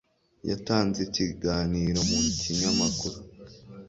Yatanze ikiganiro mu kinyamakuru.